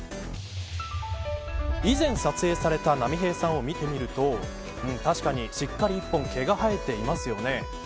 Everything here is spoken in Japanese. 以前撮影された波平さんを見てみると確かにしっかり一本毛が生えていますよね。